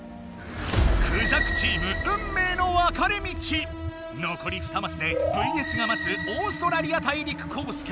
クジャクチーム残り２マスで「ＶＳ．」がまつオーストラリア大陸コースか？